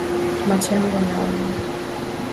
Macho yangu nayainua.